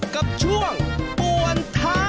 กับช่วงปวนท้าเดือน